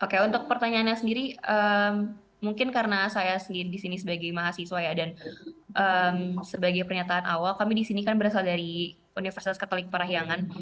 oke untuk pertanyaannya sendiri mungkin karena saya sendiri sebagai mahasiswa ya dan sebagai pernyataan awal kami di sini kan berasal dari universitas katolik parahyangan